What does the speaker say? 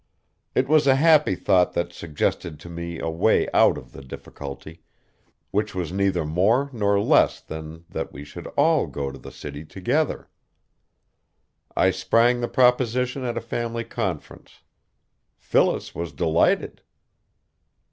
It was a happy thought that suggested to me a way out of the difficulty, which was neither more nor less than that we should all go to the city together. I sprang the proposition at a family conference. Phyllis was delighted.